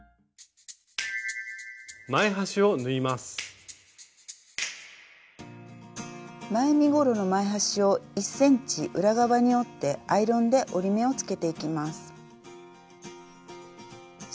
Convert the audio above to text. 前身ごろの前端を１ｃｍ裏側に折ってアイロンで折り目をつけていきます。